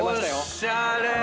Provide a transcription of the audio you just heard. おしゃれ！